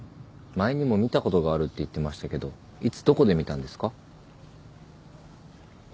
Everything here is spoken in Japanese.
前にも見たことがあるって言ってましたけどいつどこで見たんですか？